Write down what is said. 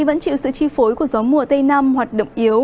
vẫn chịu sự chi phối của gió mùa tây nam hoạt động yếu